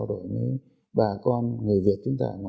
đức và nhật cũng nhiều lắm